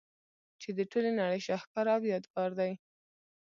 چي د ټولي نړۍ شهکار او يادګار دئ.